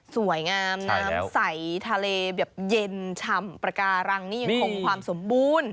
สวยงามน้ำใสทะเลแบบเย็นฉ่ำประการังนี่ยังคงความสมบูรณ์